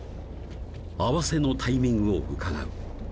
アワセのタイミングをうかがう